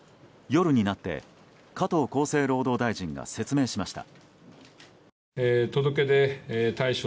夜になって加藤厚生労働大臣が説明しました。